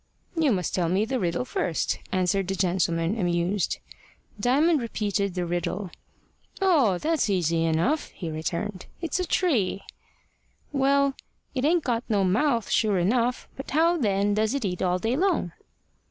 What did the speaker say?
"You must tell me the riddle first," answered the gentleman, amused. Diamond repeated the riddle. "Oh! that's easy enough," he returned. "It's a tree." "Well, it ain't got no mouth, sure enough; but how then does it eat all day long?"